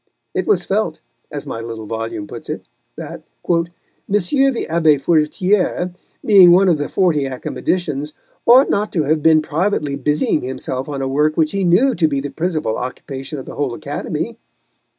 It was felt, as my little volume puts it, that "Monsieur the Abbé Furetière, being one of the Forty Academicians, ought not to have been privately busying himself on a work which he knew to be the principal occupation of the whole Academy."